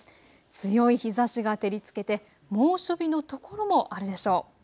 強い日ざしが照りつけて猛暑日の所もあるでしょう。